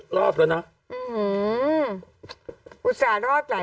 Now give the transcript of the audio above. กล้องกว้างอย่างเดียว